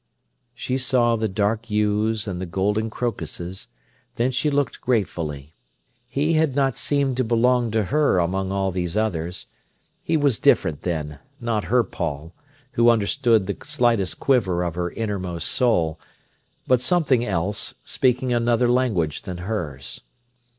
She saw the dark yews and the golden crocuses, then she looked gratefully. He had not seemed to belong to her among all these others; he was different then—not her Paul, who understood the slightest quiver of her innermost soul, but something else, speaking another language than hers.